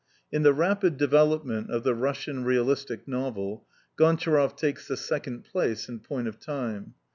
In the rapid devel opment of the Russian realistic novel, Gontcharoff takes the second place in point of time.